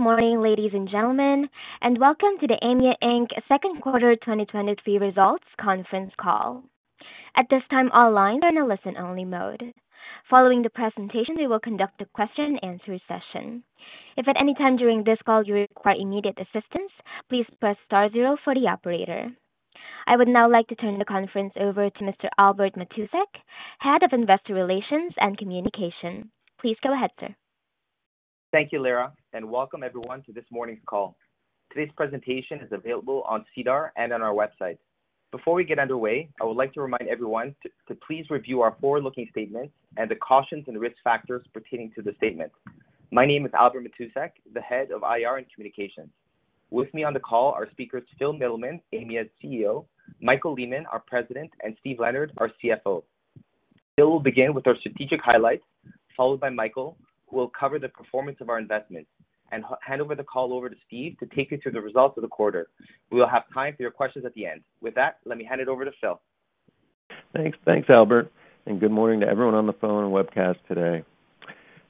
Good morning, ladies and gentlemen, and welcome to the Aimia Inc. second quarter 2023 results conference call. At this time, all lines are in a listen-only mode. Following the presentation, we will conduct a question-and-answer session. If at any time during this call you require immediate assistance, please press star zero for the operator. I would now like to turn the conference over to Mr. Albert Matousek, Head of Investor Relations and Communication. Please go ahead, sir. Thank you, Lara, and welcome everyone to this morning's call. Today's presentation is available on SEDAR and on our website. Before we get underway, I would like to remind everyone to please review our forward-looking statements and the cautions and risk factors pertaining to the statements. My name is Albert Matousek, the Head of IR and Communications. With me on the call are speakers Phil Mittleman, Aimia's CEO, Michael Lehmann, our President, and Steve Leonard, our CFO. Phil will begin with our strategic highlights, followed by Michael, who will cover the performance of our investments, and hand over the call over to Steve to take you through the results of the quarter. We will have time for your questions at the end. With that, let me hand it over to Phil. Thanks. Thanks, Albert, and good morning to everyone on the phone and webcast today.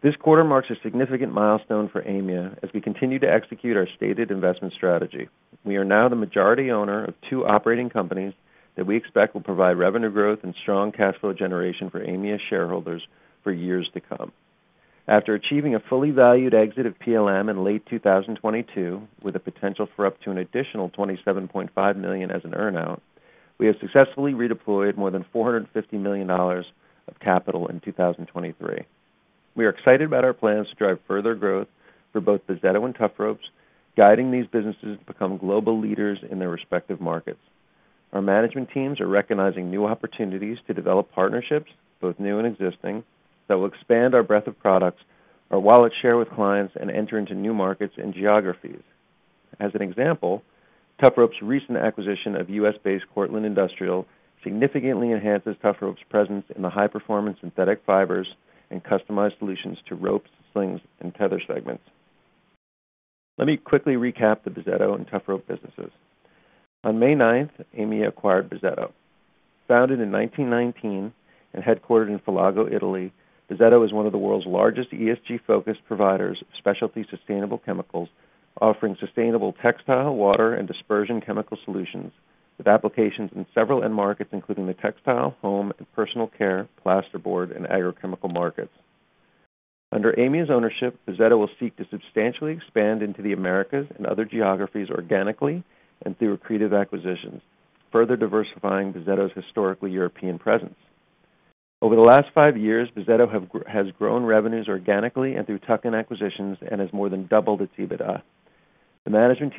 This quarter marks a significant milestone for Aimia as we continue to execute our stated investment strategy. We are now the majority owner of two operating companies that we expect will provide revenue growth and strong cash flow generation for Aimia shareholders for years to come. After achieving a fully valued exit of PLM in late 2022, with a potential for up to an additional $27.5 million as an earn-out, we have successfully redeployed more than $450 million of capital in 2023. We are excited about our plans to drive further growth for both Bozzetto and Tufropes, guiding these businesses to become global leaders in their respective markets. Our management teams are recognizing new opportunities to develop partnerships, both new and existing, that will expand our breadth of products, our wallet share with clients, and enter into new markets and geographies. As an example, Tufropes' recent acquisition of US-based Cortland Industrial significantly enhances Tufropes' presence in the high-performance synthetic fibers and customized solutions to ropes, slings, and tether segments. Let me quickly recap the Bozzetto and Tufropes businesses. On May 9, Aimia acquired Bozzetto. Founded in 1919 and headquartered in Filago, Italy, Bozzetto is one of the world's largest ESG-focused providers of specialty sustainable chemicals, offering sustainable textile, water, and dispersion chemical solutions, with applications in several end markets, including the textile, home, and personal care, plasterboard, and agrochemical markets. Under Aimia's ownership, Bozzetto will seek to substantially expand into the Americas and other geographies organically and through accretive acquisitions, further diversifying Bozzetto's historically European presence. Over the last five years, Bozzetto has grown revenues organically and through tuck-in acquisitions and has more than doubled its EBITDA. Aimia invested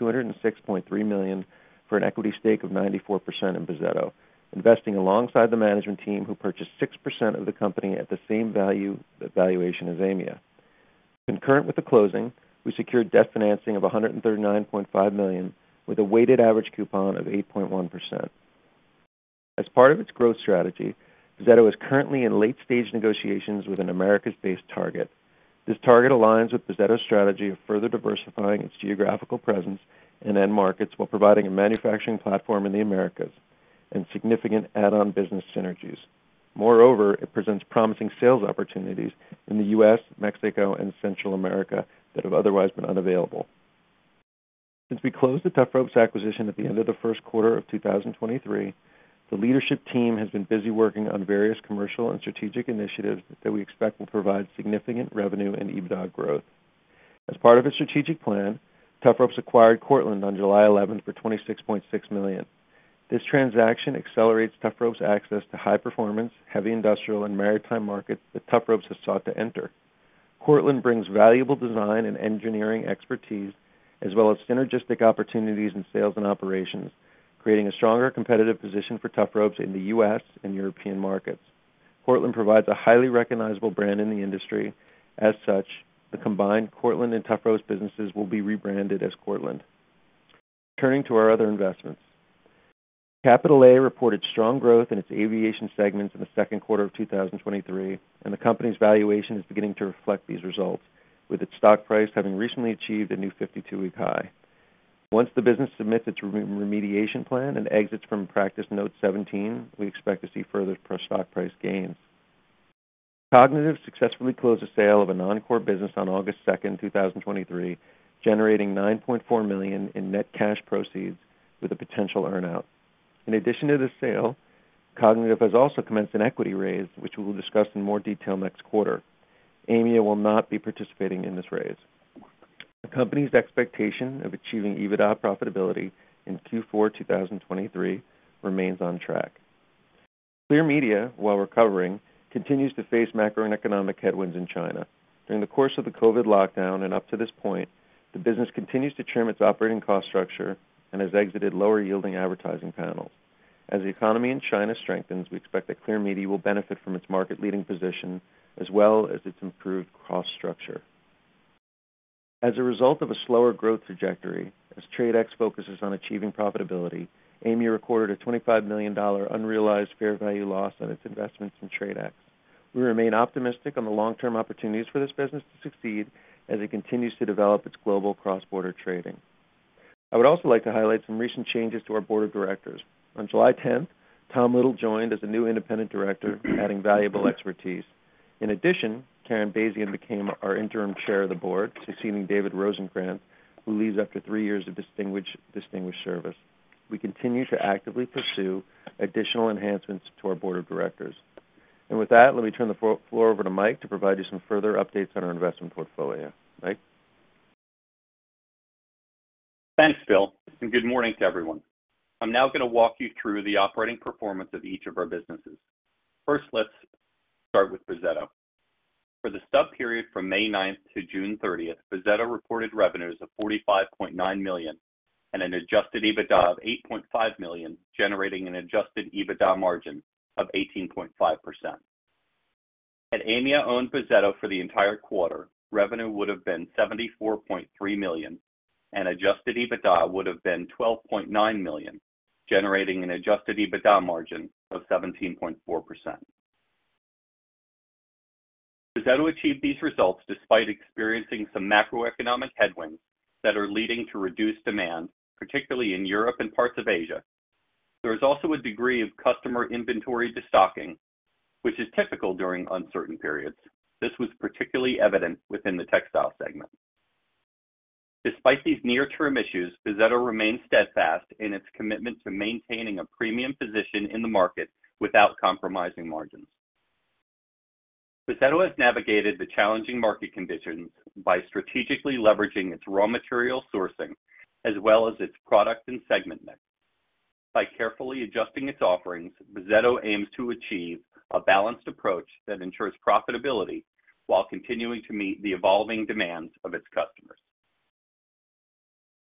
$206.3 million for an equity stake of 94% in Bozzetto, investing alongside the management team, who purchased 6% of the company at the same valuation as Aimia. Concurrent with the closing, we secured debt financing of $139.5 million, with a weighted average coupon of 8.1%. As part of its growth strategy, Bozzetto is currently in late-stage negotiations with an Americas-based target. This target aligns with Bozzetto's strategy of further diversifying its geographical presence and end markets, while providing a manufacturing platform in the Americas and significant add-on business synergies. Moreover, it presents promising sales opportunities in the U.S., Mexico, and Central America that have otherwise been unavailable. Since we closed the Tufropes acquisition at the end of the first quarter of 2023, the leadership team has been busy working on various commercial and strategic initiatives that we expect will provide significant revenue and EBITDA growth. As part of its strategic plan, Tufropes acquired Cortland on July 11 for $26.6 million. This transaction accelerates Tufropes' access to high-performance, heavy industrial, and maritime markets that Tufropes has sought to enter. Cortland brings valuable design and engineering expertise, as well as synergistic opportunities in sales and operations, creating a stronger competitive position for Tufropes in the US and European markets. Cortland provides a highly recognizable brand in the industry. As such, the combined Cortland and Tufropes businesses will be rebranded as Cortland. Turning to our other investments. Capital A reported strong growth in its aviation segments in the second quarter of 2023, and the company's valuation is beginning to reflect these results, with its stock price having recently achieved a new 52-week high. Once the business submits its remediation plan and exits from Practice Note 17, we expect to see further stock price gains. Kognitiv successfully closed the sale of a non-core business on August 2, 2023, generating 9.4 million in net cash proceeds with a potential earn-out. In addition to this sale, Kognitiv has also commenced an equity raise, which we will discuss in more detail next quarter. Aimia will not be participating in this raise. The company's expectation of achieving EBITDA profitability in Q4 2023 remains on track. Clear Media, while recovering, continues to face macroeconomic headwinds in China. During the course of the COVID lockdown and up to this point, the business continues to trim its operating cost structure and has exited lower-yielding advertising panels. As the economy in China strengthens, we expect that Clear Media will benefit from its market-leading position as well as its improved cost structure. As a result of a slower growth trajectory, as TRADE X focuses on achieving profitability, Aimia recorded a $25 million unrealized fair value loss on its investments in TRADE X. We remain optimistic on the long-term opportunities for this business to succeed as it continues to develop its global cross-border trading. I would also like to highlight some recent changes to our board of directors. On July 10th, Tom Little joined as a new independent director, adding valuable expertise. In addition, Karen Basian became our interim Chair of the Board, succeeding David Rosenkrantz, who leaves after three years of distinguished service. We continue to actively pursue additional enhancements to our Board of Directors. With that, let me turn the floor over to Mike to provide you some further updates on our investment portfolio. Mike? Thanks, Bill, and good morning to everyone. I'm now going to walk you through the operating performance of each of our businesses. First, let's start with Bozzetto. For the stub period from May 9th to June 30th, Bozzetto reported revenues of $45.9 million and an adjusted EBITDA of $8.5 million, generating an adjusted EBITDA margin of 18.5%. Had Aimia owned Bozzetto for the entire quarter, revenue would have been $74.3 million, and adjusted EBITDA would have been $12.9 million, generating an adjusted EBITDA margin of 17.4%. Bozzetto achieved these results despite experiencing some macroeconomic headwinds that are leading to reduced demand, particularly in Europe and parts of Asia. There is also a degree of customer inventory destocking, which is typical during uncertain periods. This was particularly evident within the textile segment. Despite these near-term issues, Bozzetto remains steadfast in its commitment to maintaining a premium position in the market without compromising margins. Bozzetto has navigated the challenging market conditions by strategically leveraging its raw material sourcing, as well as its product and segment mix. By carefully adjusting its offerings, Bozzetto aims to achieve a balanced approach that ensures profitability while continuing to meet the evolving demands of its customers.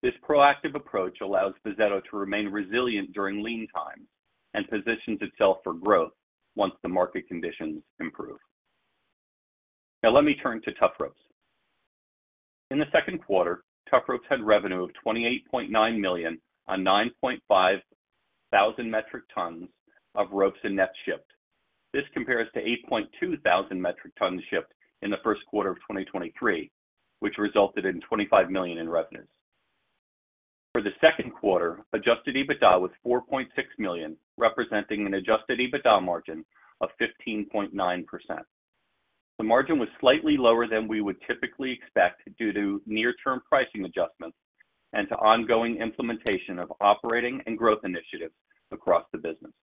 This proactive approach allows Bozzetto to remain resilient during lean times and positions itself for growth once the market conditions improve. Now let me turn to Tufropes. In the second quarter, Tufropes had revenue of $28.9 million on 9,500 metric tons of ropes and net shipped. This compares to 8,200 metric tons shipped in the first quarter of 2023, which resulted in $25 million in revenues. For the second quarter, adjusted EBITDA was 4.6 million, representing an adjusted EBITDA margin of 15.9%. The margin was slightly lower than we would typically expect due to near-term pricing adjustments and to ongoing implementation of operating and growth initiatives across the business.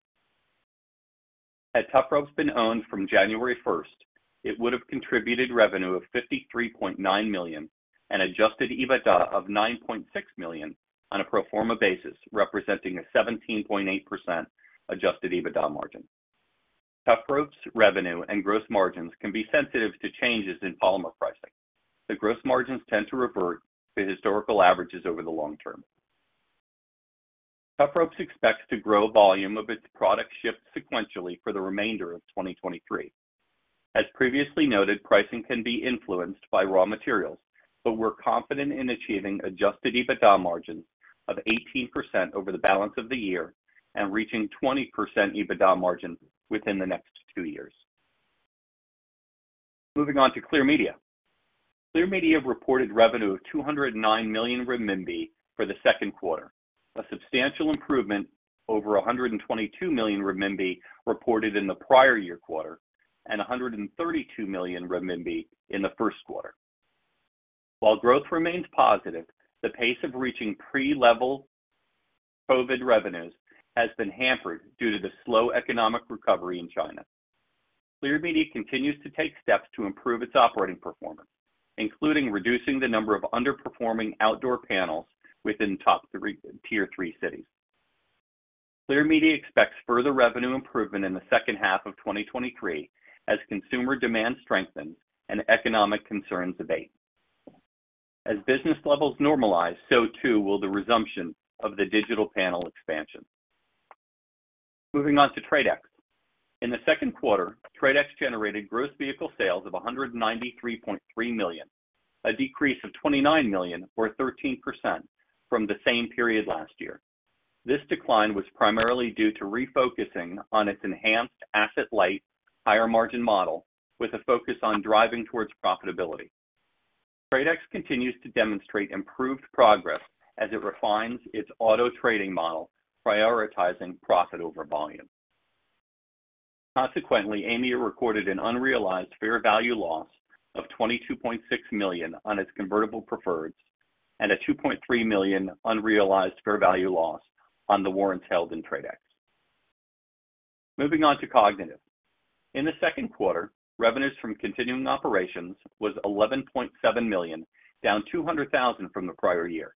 Had Tufropes been owned from January 1, it would have contributed revenue of 53.9 million and adjusted EBITDA of 9.6 million on a pro forma basis, representing a 17.8% adjusted EBITDA margin. Tufropes revenue and gross margins can be sensitive to changes in polymer pricing. The gross margins tend to revert to historical averages over the long term. Tufropes expects to grow volume of its product shipped sequentially for the remainder of 2023. As previously noted, pricing can be influenced by raw materials, we're confident in achieving adjusted EBITDA margins of 18% over the balance of the year and reaching 20% EBITDA margins within the next two years. Moving on to Clear Media. Clear Media reported revenue of 209 million renminbi for the second quarter, a substantial improvement over 122 million renminbi reported in the prior year quarter, and 132 million renminbi in the first quarter. While growth remains positive, the pace of reaching pre-level COVID revenues has been hampered due to the slow economic recovery in China. Clear Media continues to take steps to improve its operating performance, including reducing the number of underperforming outdoor panels within tier three cities. Clear Media expects further revenue improvement in the second half of 2023 as consumer demand strengthens and economic concerns abate. As business levels normalize, so too will the resumption of the digital panel expansion. Moving on to TRADE X. In the second quarter, TRADE X generated gross vehicle sales of $193.3 million, a decrease of $29 million, or 13%, from the same period last year. This decline was primarily due to refocusing on its enhanced asset light, higher margin model, with a focus on driving towards profitability. TRADE X continues to demonstrate improved progress as it refines its auto trading model, prioritizing profit over volume. Consequently, Aimia recorded an unrealized fair value loss of $22.6 million on its convertible preferreds and a $2.3 million unrealized fair value loss on the warrants held in TRADE X. Moving on to Kognitiv. In the second quarter, revenues from continuing operations was $11.7 million, down $200,000 from the prior year.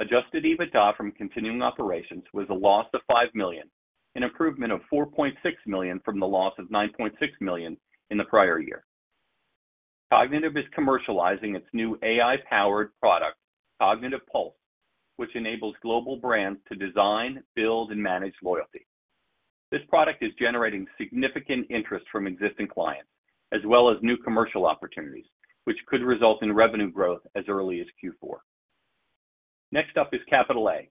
Adjusted EBITDA from continuing operations was a loss of $5 million, an improvement of $4.6 million from the loss of $9.6 million in the prior year. Kognitiv is commercializing its new AI-powered product, Kognitiv Pulse, which enables global brands to design, build, and manage loyalty. This product is generating significant interest from existing clients, as well as new commercial opportunities, which could result in revenue growth as early as Q4. Next up is Capital A....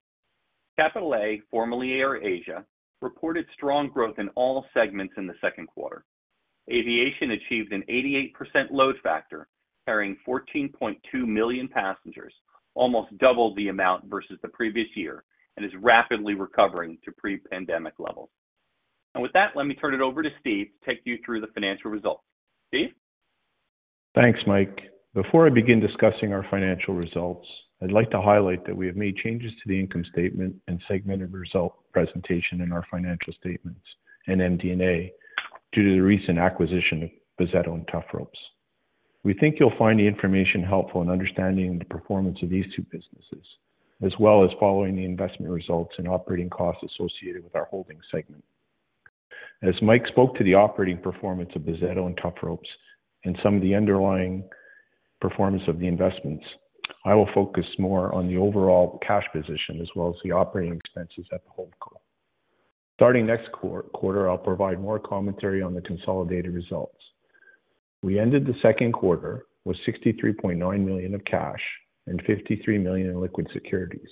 Capital A, formerly AirAsia, reported strong growth in all segments in the second quarter. Aviation achieved an 88% load factor, carrying 14.2 million passengers, almost double the amount versus the previous year, and is rapidly recovering to pre-pandemic levels. With that, let me turn it over to Steve to take you through the financial results. Steve? Thanks, Mike. Before I begin discussing our financial results, I'd like to highlight that we have made changes to the income statement and segmented result presentation in our financial statements and MD&A due to the recent acquisition of Bozzetto and Tufropes. We think you'll find the information helpful in understanding the performance of these two businesses, as well as following the investment results and operating costs associated with our holding segment. As Mike spoke to the operating performance of Bozzetto and Tufropes and some of the underlying performance of the investments, I will focus more on the overall cash position as well as the operating expenses at the holding core. Starting next quarter, I'll provide more commentary on the consolidated results. We ended the second quarter with 63.9 million of cash and 53 million in liquid securities.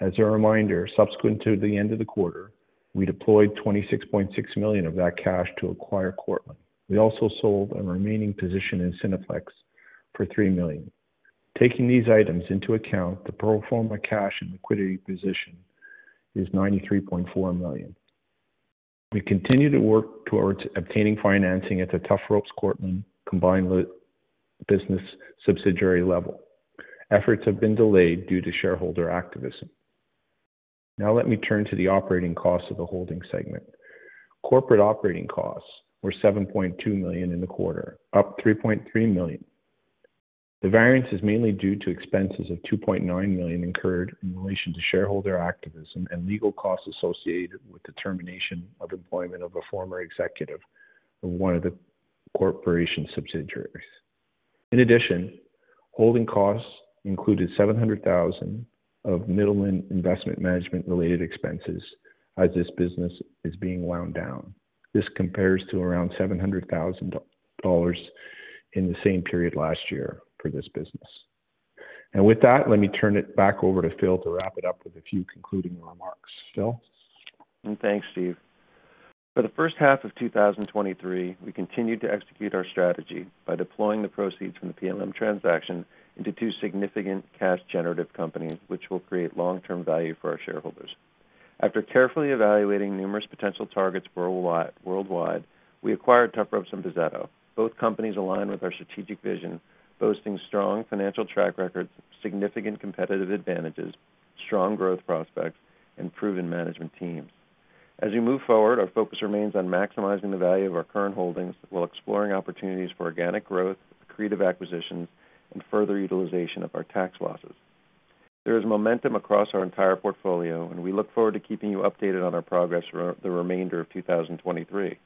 As a reminder, subsequent to the end of the quarter, we deployed $26.6 million of that cash to acquire Cortland. We also sold a remaining position in Cineplex for $3 million. Taking these items into account, the pro forma cash and liquidity position is $93.4 million. We continue to work towards obtaining financing at the Tufropes Cortland combined with business subsidiary level. Efforts have been delayed due to shareholder activism. Let me turn to the operating costs of the holding segment. Corporate operating costs were $7.2 million in the quarter, up $3.3 million. The variance is mainly due to expenses of $2.9 million incurred in relation to shareholder activism and legal costs associated with the termination of employment of a former executive of one of the corporation's subsidiaries. In addition, holding costs included $700,000 of Mittleman Investment Management-related expenses as this business is being wound down. This compares to around $700,000 in the same period last year for this business. With that, let me turn it back over to Phil to wrap it up with a few concluding remarks. Phil? Thanks, Steve. For the first half of 2023, we continued to execute our strategy by deploying the proceeds from the PLM transaction into two significant cash generative companies, which will create long-term value for our shareholders. After carefully evaluating numerous potential targets worldwide, we acquired Tufropes and Bozzetto. Both companies align with our strategic vision, boasting strong financial track records, significant competitive advantages, strong growth prospects, and proven management teams. As we move forward, our focus remains on maximizing the value of our current holdings while exploring opportunities for organic growth, creative acquisitions, and further utilization of our tax losses. There is momentum across our entire portfolio, we look forward to keeping you updated on our progress for the remainder of 2023.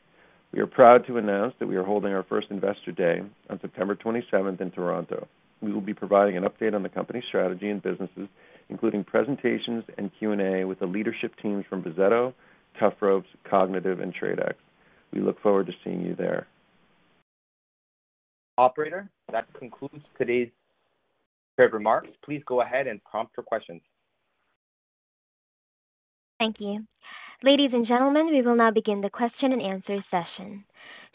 We are proud to announce that we are holding our first Investor Day on September 27th in Toronto. We will be providing an update on the company's strategy and businesses, including presentations and Q&A with the leadership teams from Bozzetto, Tufropes, Kognitiv, and TRADE X. We look forward to seeing you there. Operator, that concludes today's prepared remarks. Please go ahead and prompt for questions. Thank you. Ladies and gentlemen, we will now begin the question-and-answer session.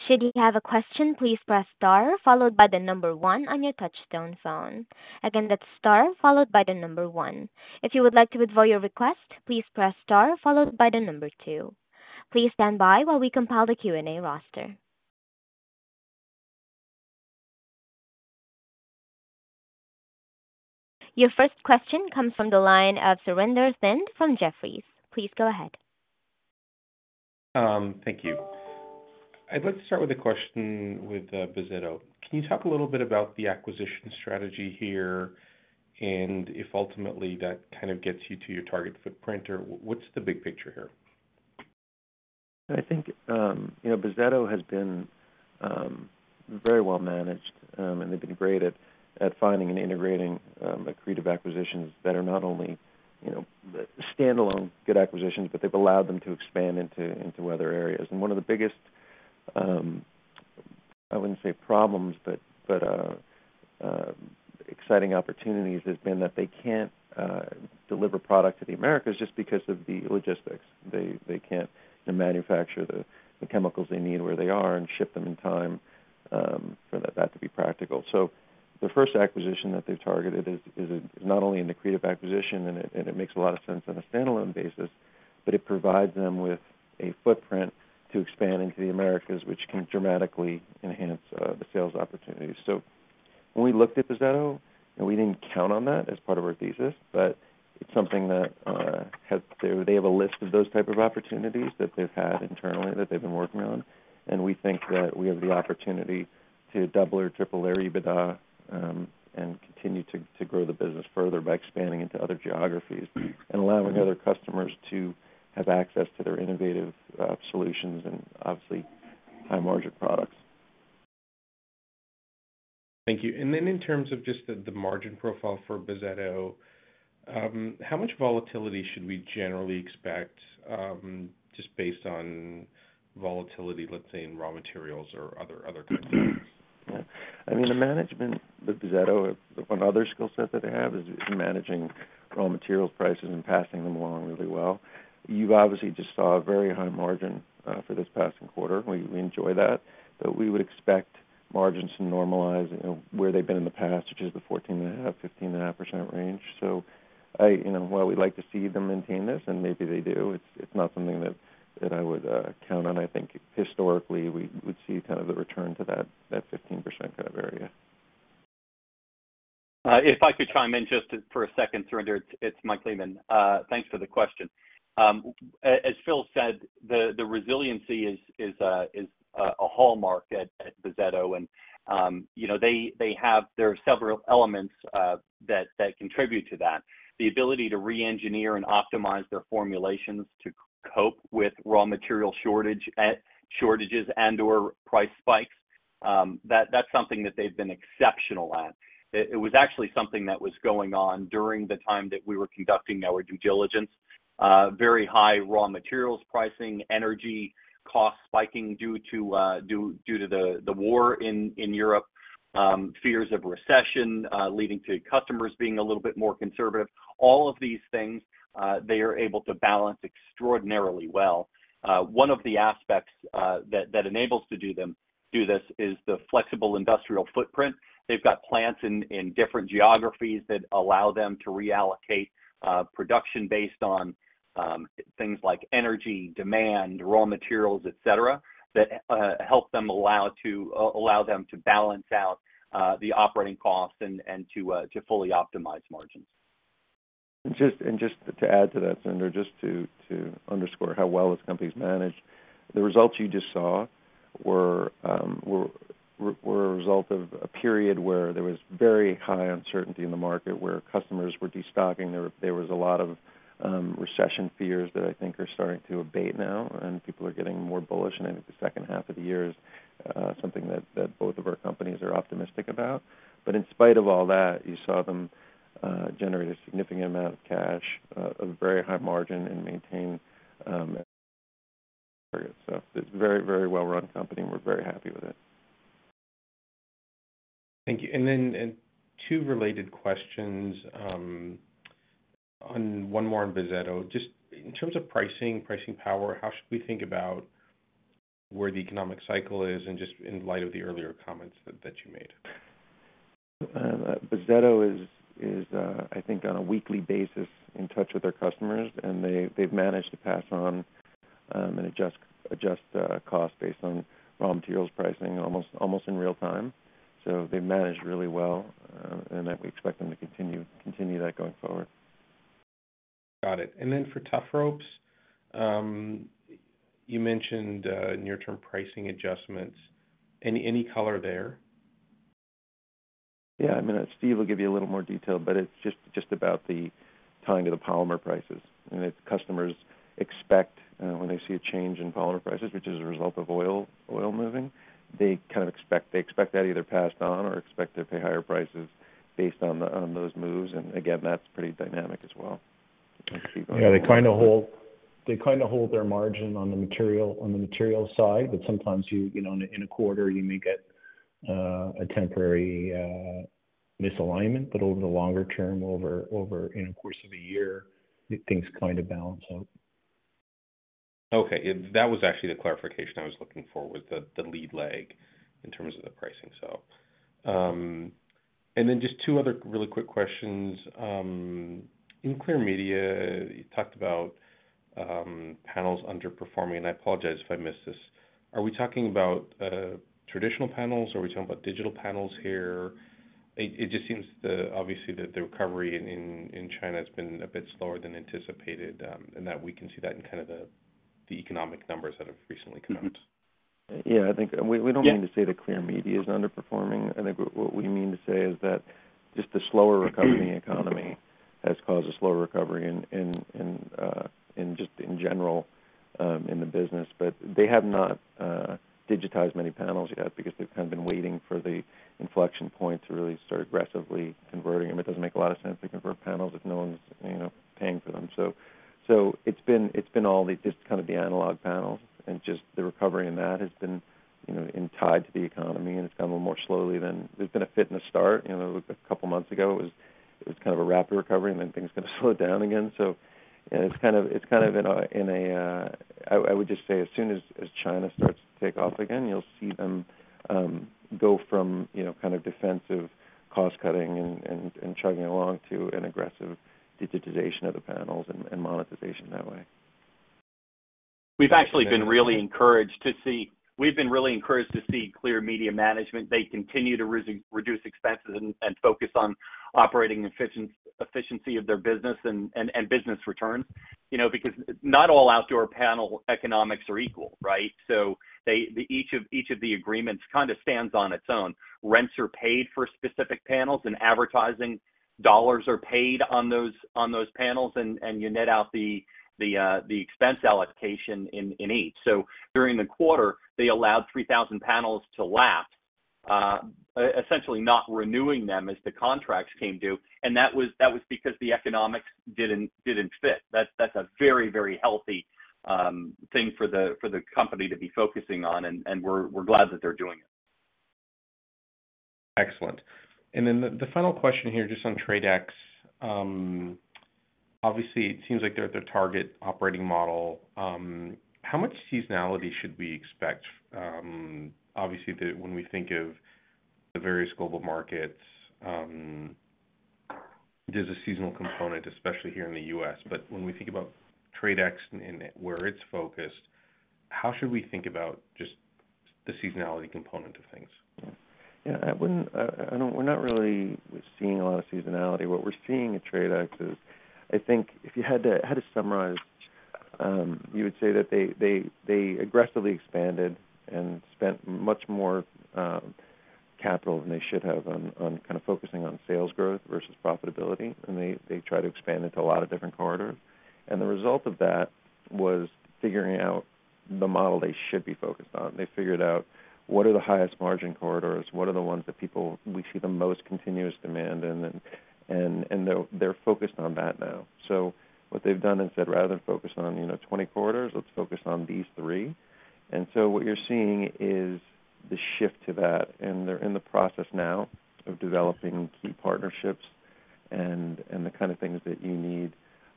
Should you have a question, please press star followed by one on your touchtone phone. Again, that's star followed by one. If you would like to withdraw your request, please press star followed by number two. Please stand by while we compile the Q&A roster. Your first question comes from the line of Surinder Thind from Jefferies. Please go ahead. Thank you. I'd like to start with a question with Bozzetto. Can you talk a little bit about the acquisition strategy here and if ultimately that kind of gets you to your target footprint, or what's the big picture here? I think, you know, Bozzetto has been very well managed, and they've been great at, at finding and integrating accretive acquisitions that are not only, you know, standalone good acquisitions, but they've allowed them to expand into, into other areas. One of the biggest, I wouldn't say problems, but, but exciting opportunities has been that they can't deliver product to the Americas just because of the logistics. They, they can't manufacture the, the chemicals they need where they are and ship them in time for that to be practical. The first acquisition that they've targeted is, is not only an accretive acquisition and it, it makes a lot of sense on a standalone basis, but it provides them with a footprint to expand into the Americas, which can dramatically enhance the sales opportunities. When we looked at Bozzetto, and we didn't count on that as part of our thesis, but it's something that. They have a list of those type of opportunities that they've had internally that they've been working on, and we think that we have the opportunity to double or triple their EBITDA, and continue to, to grow the business further by expanding into other geographies and allowing other customers to have access to their innovative solutions and obviously high-margin products. Thank you. Then in terms of just the, the margin profile for Bozzetto, how much volatility should we generally expect, just based on volatility, let's say, in raw materials or other, other good things? Yeah. I mean, the management, the Bozzetto, another skill set that they have is managing raw materials prices and passing them along really well. You've obviously just saw a very high margin for this past quarter. We enjoy that, but we would expect margins to normalize, you know, where they've been in the past, which is the 14.5%-15.5% range. I, you know, while we'd like to see them maintain this, and maybe they do, it's not something that I would count on. I think historically we would see kind of a return to that 15% kind of area. If I could chime in just for a second, Surinder. It's Mike Lehmann. Thanks for the question. As Phil said, the resiliency is, is a hallmark at Bozzetto, and, you know, they have -- there are several elements that contribute to that. The ability to reengineer and optimize their formulations to cope with raw material shortage at -- shortages and/or price spikes, that's something that they've been exceptional at. It was actually something that was going on during the time that we were conducting our due diligence. Very high raw materials pricing, energy costs spiking due to, due to the war in Europe, fears of recession, leading to customers being a little bit more conservative. All of these things, they are able to balance extraordinarily well. One of the aspects that enables to do this is the flexible industrial footprint. They've got plants in, in different geographies that allow them to reallocate production based on things like energy, demand, raw materials, et cetera, that help them allow to allow them to balance out the operating costs and, and to fully optimize margins. Just, and just to add to that, Surinder, just to, to underscore how well this company's managed, the results you just saw were, were a result of a period where there was very high uncertainty in the market, where customers were destocking. There, there was a lot of, recession fears that I think are starting to abate now, and people are getting more bullish. I think the second half of the year is something that, that both of our companies are optimistic about. In spite of all that, you saw them, generate a significant amount of cash, a very high margin, and maintain, It's a very, very well-run company, and we're very happy with it. Thank you. Two related questions, on one more on Bozzetto. Just in terms of pricing, pricing power, how should we think about where the economic cycle is and just in light of the earlier comments that, that you made? Bozzetto is, I think, on a weekly basis, in touch with their customers, and they've managed to pass on and adjust cost based on raw materials pricing, almost, almost in real time. They managed really well, and we expect them to continue that going forward. Got it. Then for Tufropes, you mentioned, near-term pricing adjustments. Any, any color there? Yeah, I mean, Steve will give you a little more detail, but it's just, just about the tying to the polymer prices. If customers expect, when they see a change in polymer prices, which is a result of oil, oil moving, they expect that either passed on or expect to pay higher prices based on those moves. Again, that's pretty dynamic as well. Yeah, they kind of hold their margin on the material, on the material side, but sometimes you, you know, in a quarter, you may get a temporary misalignment, but over the longer term, over in the course of a year, things kind of balance out. Okay. That was actually the clarification I was looking for, was the lead lag in terms of the pricing. Just two other really quick questions. In Clear Media, you talked about panels underperforming, and I apologize if I missed this. Are we talking about traditional panels, or are we talking about digital panels here? Obviously, that the recovery in China has been a bit slower than anticipated, and that we can see that in kind of the economic numbers that have recently come out. Yeah, I think we, we don't mean to say that Clear Media is underperforming. I think what we mean to say is that just the slower recovery in the economy has caused a slower recovery in, in, in just in general, in the business. But they have not digitized many panels yet because they've kind of been waiting for the inflection point to really start aggressively converting them. It doesn't make a lot of sense to convert panels if no one's, you know, paying for them. So, so it's been, it's been all the, just kind of the analog panels and just the recovery in that has been, you know, in tied to the economy, and it's gone a little more slowly than. There's been a fit in the start. You know, a couple of months ago, it was kind of a rapid recovery, and then things kind of slowed down again. It's kind of in a... I would just say as soon as China starts to take off again, you'll see them, go from, you know, kind of defensive cost-cutting and, and chugging along to an aggressive digitization of the panels and, and monetization that way. We've actually been really encouraged to see Clear Media management. They continue to reduce expenses and focus on operating efficiency of their business and business returns, you know, because not all outdoor panel economics are equal, right? They each of the agreements kind of stands on its own. Rents are paid for specific panels, and advertising dollars are paid on those panels, and you net out the expense allocation in each. During the quarter, they allowed 3,000 panels to lapse.... essentially not renewing them as the contracts came due, and that was, that was because the economics didn't, didn't fit. That's, that's a very, very healthy thing for the, for the company to be focusing on, and, and we're, we're glad that they're doing it. Excellent. Then the, the final question here, just on TRADE X. Obviously, it seems like they're at their target operating model. How much seasonality should we expect? Obviously, when we think of the various global markets, there's a seasonal component, especially here in the US. When we think about TRADE X and, and where it's focused, how should we think about just the seasonality component of things? Yeah, I wouldn't, I don't, we're not really seeing a lot of seasonality. What we're seeing at TRADE X is, I think if you had to summarize, you would say that they aggressively expanded and spent much more capital than they should have on kind of focusing on sales growth versus profitability. They tried to expand into a lot of different corridors. The result of that was figuring out the model they should be focused on. They figured out what are the highest margin corridors, what are the ones that we see the most continuous demand, and then they're focused on that now. What they've done is said, rather than focus on, you know, 20 corridors, let's focus on these three. What you're seeing is the shift to that, and they're in the process now of developing key partnerships and the kind of things that you need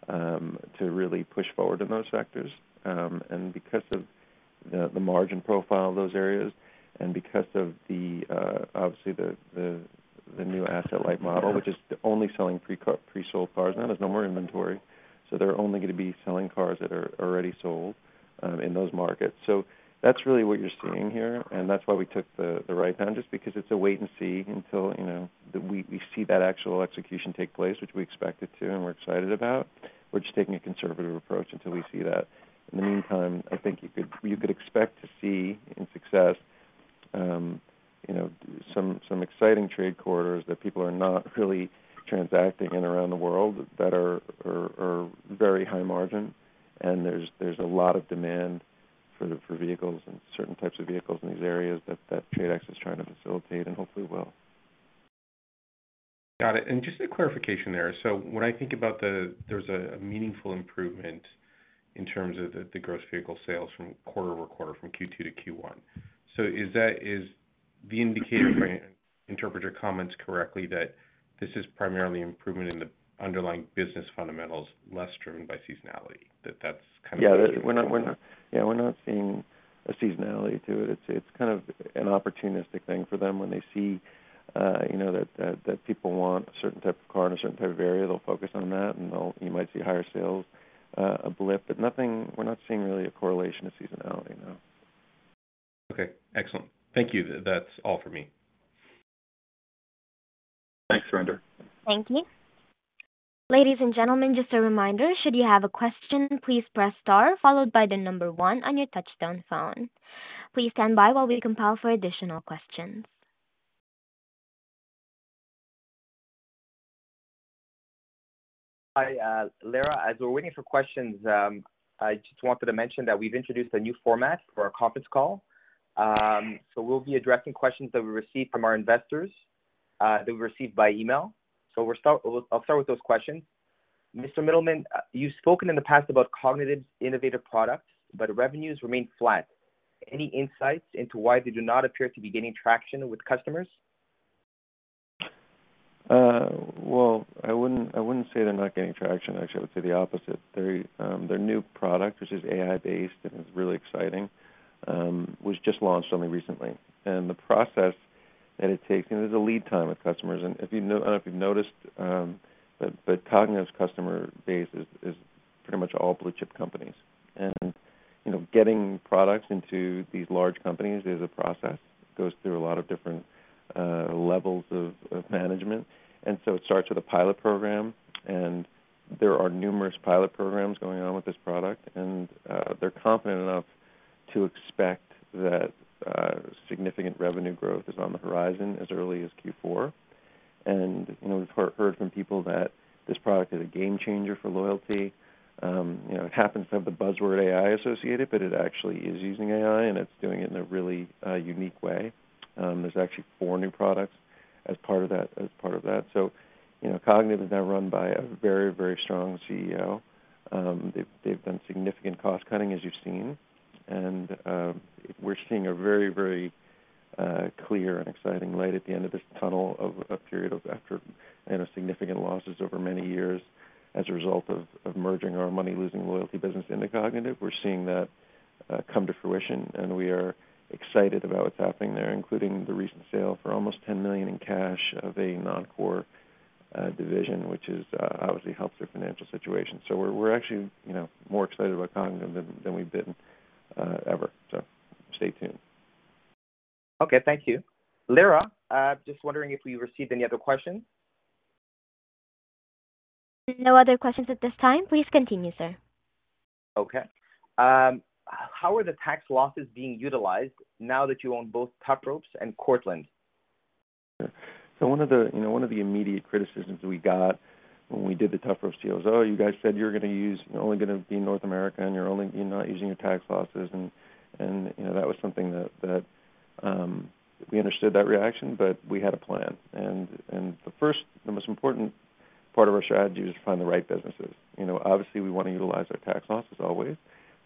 to really push forward in those sectors. Because of the margin profile of those areas and because of the, obviously, the new asset-light model, which is only selling presold cars, now there's no more inventory. They're only gonna be selling cars that are already sold in those markets. That's really what you're seeing here, and that's why we took the write-down, just because it's a wait and see until, you know, we see that actual execution take place, which we expect it to, and we're excited about. We're just taking a conservative approach until we see that. In the meantime, I think you could, you could expect to see in success, you know, some, some exciting trade corridors that people are not really transacting in around the world, that are, are, are very high margin. There's, there's a lot of demand for the, for vehicles and certain types of vehicles in these areas that, that TRADE X is trying to facilitate and hopefully will. Got it. Just a clarification there. When I think about the there's a meaningful improvement in terms of the gross vehicle sales from quarter-over-quarter, from Q2 to Q1. Is that, is the indicator, if I interpret your comments correctly, that this is primarily improvement in the underlying business fundamentals, less driven by seasonality? That's kind of- Yeah, we're not seeing a seasonality to it. It's, it's kind of an opportunistic thing for them when they see, you know, that people want a certain type of car in a certain type of area, they'll focus on that, and you might see higher sales, a blip, but nothing. We're not seeing really a correlation to seasonality, no. Okay, excellent. Thank you. That's all for me. Thanks, Rinder. Thank you. Ladies and gentlemen, just a reminder, should you have a question, please press star followed by the number 1 on your touchtone phone. Please stand by while we compile for additional questions. Hi, Lara. As we're waiting for questions, I just wanted to mention that we've introduced a new format for our conference call. We'll be addressing questions that we received from our investors that we received by email. I'll start with those questions. Mr. Mittleman, you've spoken in the past about Kognitiv innovative products, but revenues remain flat. Any insights into why they do not appear to be gaining traction with customers? Well, I wouldn't, I wouldn't say they're not getting traction. Actually, I would say the opposite. They're, their new product, which is AI-based and is really exciting, was just launched only recently. The process that it takes, and there's a lead time with customers, and if you know-- I don't know if you've noticed, but, but Kognitiv's customer base is, is pretty much all blue chip companies. You know, getting products into these large companies is a process. It goes through a lot of different, levels of, of management. So it starts with a pilot program, and there are numerous pilot programs going on with this product, and they're confident enough to expect that, significant revenue growth is on the horizon as early as Q4. You know, we've heard from people that this product is a game changer for loyalty. You know, it happens to have the buzzword AI associated, but it actually is using AI, and it's doing it in a really unique way. There's actually four new products as part of that, as part of that. You know, Kognitiv is now run by a very, very strong CEO. They've, they've done significant cost cutting, as you've seen, and, we're seeing a very, very clear and exciting light at the end of this tunnel of a period of after and a significant losses over many years as a result of, of merging our money-losing loyalty business into Kognitiv. We're seeing that come to fruition, and we are excited about what's happening there, including the recent sale for almost $10 million in cash of a non-core division, which is obviously helps their financial situation. We're, we're actually, you know, more excited about Kognitiv than, than we've been ever. Stay tuned. Okay. Thank you. Lira, just wondering if we received any other questions? No other questions at this time. Please continue, sir. Okay. How are the tax losses being utilized now that you own both Tufropes and Cortland? One of the, you know, one of the immediate criticisms we got when we did the Tufropes deal was, "Oh, you guys said you're gonna use-- only gonna be in North America, and you're only, you're not using your tax losses." You know, that was something that, that, we understood that reaction, but we had a plan. The first and most important part of our strategy was to find the right businesses. You know, obviously, we want to utilize our tax losses always,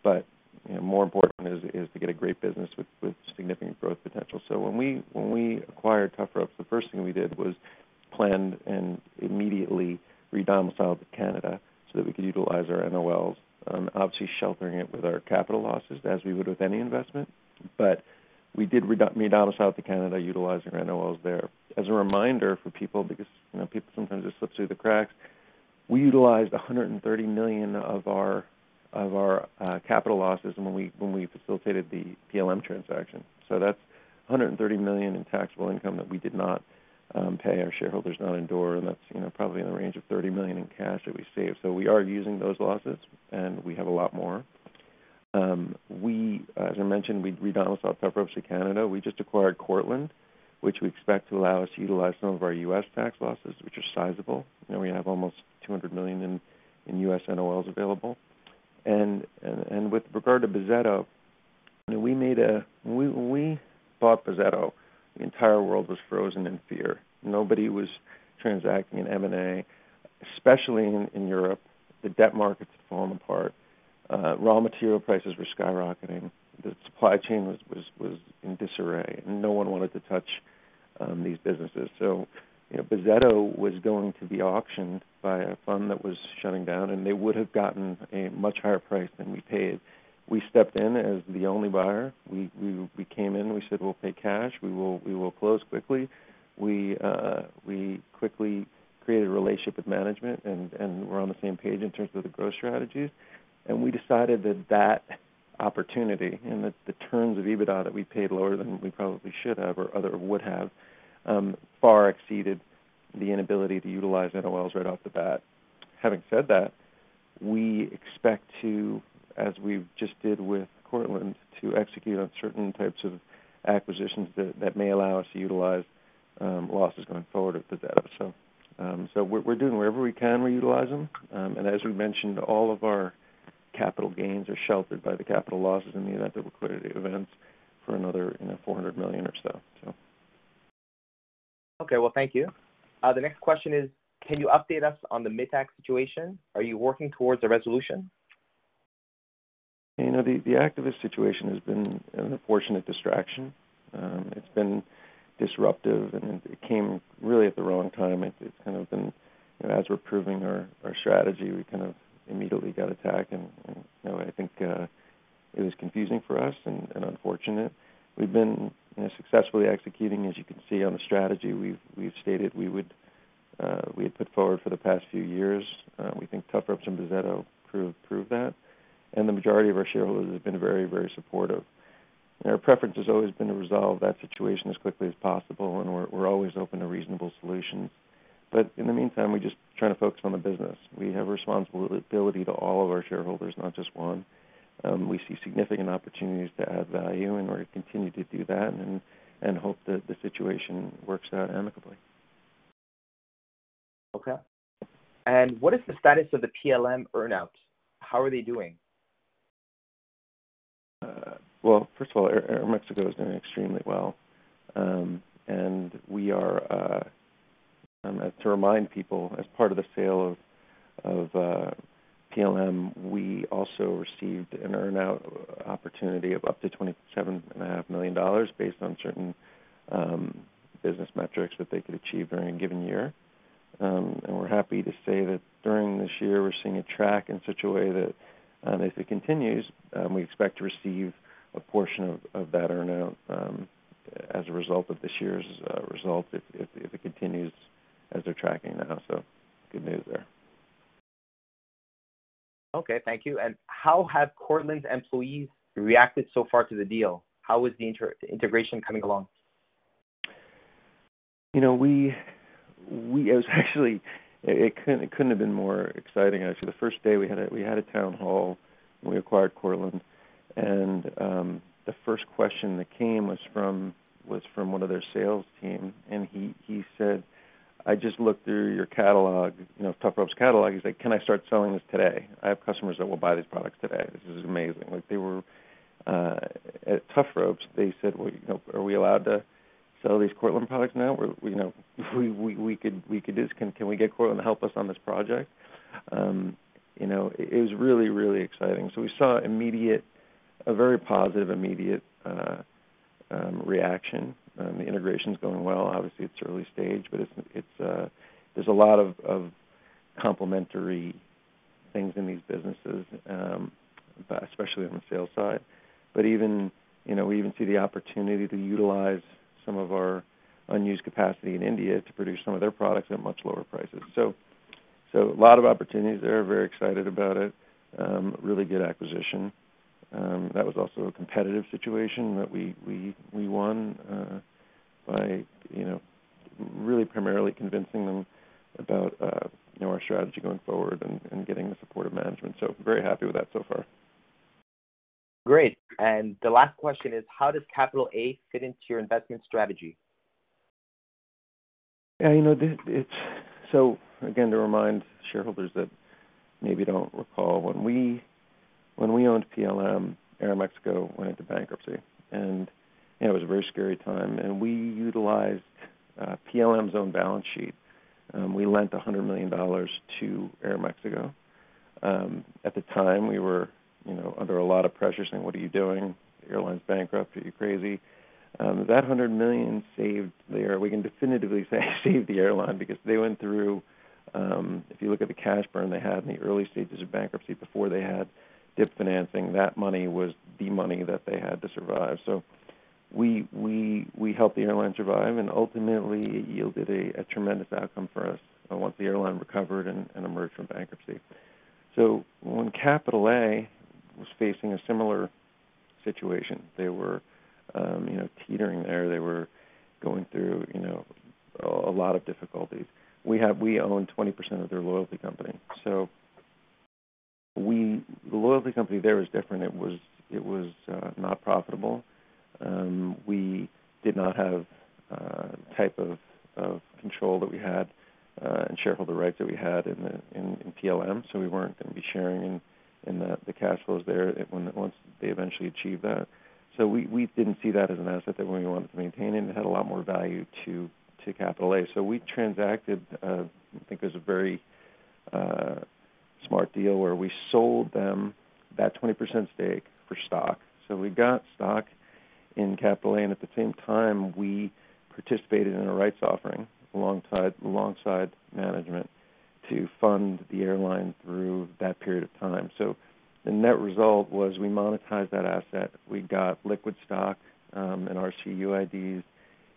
but, you know, more important is, is to get a great business with, with significant growth potential. When we, when we acquired Tufropes, the first thing we did was planned and immediately redomiciled to Canada so that we could utilize our NOLs, obviously sheltering it with our capital losses, as we would with any investment. We did redomicile to Canada, utilizing our NOLs there. As a reminder for people, because, you know, people sometimes it slips through the cracks, we utilized $130 million of our, of our capital losses when we, when we facilitated the PLM transaction. That's $130 million in taxable income that we did not pay our shareholders, not in door, and that's, you know, probably in the range of $30 million in cash that we saved. We are using those losses, and we have a lot more. As I mentioned, we redomiciled Tufropes to Canada. We just acquired Cortland, which we expect to allow us to utilize some of our US tax losses, which are sizable. You know, we have almost $200 million in, in US NOLs available. With regard to Bozzetto, you know, when we bought Bozzetto, the entire world was frozen in fear. Nobody was transacting in M&A, especially in Europe. The debt markets were falling apart. Raw material prices were skyrocketing. The supply chain was in disarray, and no one wanted to touch these businesses. You know, Bozzetto was going to be auctioned by a fund that was shutting down, and they would have gotten a much higher price than we paid. We stepped in as the only buyer. We came in, we said: We'll pay cash. We will, we will close quickly. We quickly created a relationship with management, and we're on the same page in terms of the growth strategies. We decided that that opportunity and that the terms of EBITDA that we paid lower than we probably should have or other would have, far exceeded the inability to utilize NOLs right off the bat. Having said that, we expect to, as we've just did with Cortland, to execute on certain types of acquisitions that, that may allow us to utilize losses going forward at Bozzetto. We're, we're doing wherever we can, we utilize them. As we mentioned, all of our capital gains are sheltered by the capital losses in the event of liquidity events for another, you know, $400 million or so. Okay. Well, thank you. The next question is: Can you update us on the Mithaq situation? Are you working towards a resolution? You know, the, the activist situation has been an unfortunate distraction. It's been disruptive, and it, it came really at the wrong time. You know, as we're proving our, our strategy, we kind of immediately got attacked, and, and, you know, I think, it was confusing for us and, and unfortunate. We've been, you know, successfully executing, as you can see, on the strategy we've, we've stated we would, we had put forward for the past few years. We think Tufropes and Bozzetto prove, prove that, and the majority of our shareholders have been very, very supportive. Our preference has always been to resolve that situation as quickly as possible, and we're, we're always open to reasonable solutions. In the meantime, we're just trying to focus on the business. We have a responsibility to all of our shareholders, not just one. We see significant opportunities to add value, and we're going to continue to do that and, and hope that the situation works out amicably. Okay. What is the status of the PLM earn-out? How are they doing? Well, first of all, Air- Aeroméxico is doing extremely well. And we are... to remind people, as part of the sale of, of PLM, we also received an earn-out opportunity of up to $27.5 million, based on certain business metrics that they could achieve during a given year. And we're happy to say that during this year, we're seeing it track in such a way that, if it continues, we expect to receive a portion of, of that earn-out, as a result of this year's results, if, if, if it continues as they're tracking now. Good news there. Okay. Thank you. How have Cortland's employees reacted so far to the deal? How is the inter- integration coming along? You know, we, it was actually it couldn't, it couldn't have been more exciting, actually. The first day we had a town hall, when we acquired Cortland, and the first question that came was from one of their sales team, and he said: "I just looked through your catalog," you know, Tufropes catalog. He's like: "Can I start selling this today? I have customers that will buy these products today." This is amazing. Like, they were... At Tufropes, they said, "Well, you know, are we allowed to sell these Cortland products now? We're, you know, we could, we could do this. Can, can we get Cortland to help us on this project?" You know, it was really, really exciting. So we saw immediate a very positive, immediate reaction. The integration's going well. Obviously, it's early stage, but it's, it's, there's a lot of, of complementary things in these businesses, especially on the sales side. Even, you know, we even see the opportunity to utilize some of our unused capacity in India to produce some of their products at much lower prices. A lot of opportunities there. Very excited about it. Really good acquisition. That was also a competitive situation that we, we, we won, by, you know, really primarily convincing them about, you know, our strategy going forward and, and getting the support of management. Very happy with that so far. Great. The last question is: how does Capital A fit into your investment strategy? Yeah, you know, it's so again, to remind shareholders that maybe don't recall, when we owned PLM, Aeroméxico went into bankruptcy, and, you know, it was a very scary time, and we utilized PLM's own balance sheet. We lent $100 million to Aeroméxico. At the time, we were, you know, under a lot of pressure, saying, "What are you doing? The airline's bankrupt. Are you crazy?" That $100 million saved there, we can definitively say, saved the airline because they went through, if you look at the cash burn they had in the early stages of bankruptcy, before they had DIP financing, that money was the money that they had to survive. We helped the airline survive, and ultimately it yielded a tremendous outcome for us once the airline recovered and emerged from bankruptcy. When Capital A was facing a similar situation, they were, you know, teetering there. They were going through, you know, a lot of difficulties. We own 20% of their loyalty company. The loyalty company there was different. It was not profitable. We did not have type of control that we had and shareholder rights that we had in PLM. We weren't going to be sharing in the cash flows there once they eventually achieved that. We didn't see that as an asset that we wanted to maintain, and it had a lot more value to Capital A. We transacted, I think it was a very smart deal where we sold them that 20% stake for stock. We got stock in Capital A, and at the same time, we participated in a rights offering alongside, alongside management to fund the airline through that period of time. The net result was we monetized that asset. We got liquid stock, and our CUIDs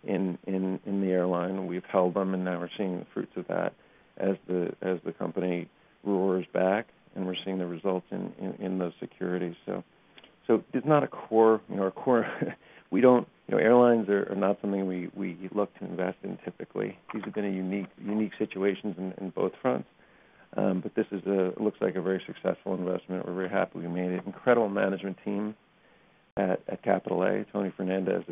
in, in, in the airline. We've held them, and now we're seeing the fruits of that as the, as the company roars back, and we're seeing the results in, in, in those securities. It's not a core. You know, our core, we don't... You know, airlines are, are not something we, we look to invest in typically. These have been a unique, unique situations in, in both fronts. This is a, looks like a very successful investment. We're very happy we made it. Incredible management team at, at Capital A. Tony Fernandes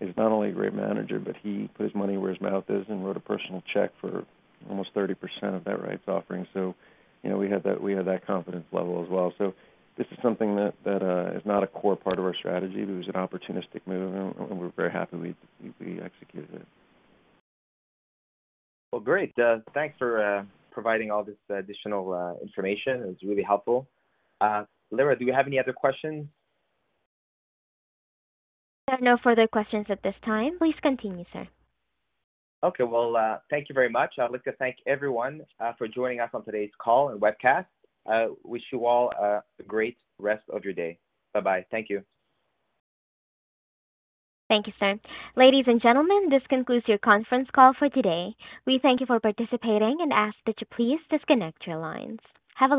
is not only a great manager, he put his money where his mouth is and wrote a personal check for almost 30% of that rights offering. You know, we had that, we had that confidence level as well. This is something that is not a core part of our strategy. It was an opportunistic move, and we're very happy we executed it. Well, great. Thanks for providing all this additional information. It's really helpful. Lara, do you have any other questions? I have no further questions at this time. Please continue, sir. Okay. Well, thank you very much. I'd like to thank everyone for joining us on today's call and webcast. I wish you all a great rest of your day. Bye-bye. Thank you. Thank you, sir. Ladies and gentlemen, this concludes your conference call for today. We thank you for participating and ask that you please disconnect your lines. Have a lovely day.